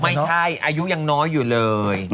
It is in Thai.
ไม่ใช่อายุยังน้อยอยู่เลย